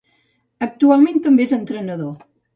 Actualment també és entrenador.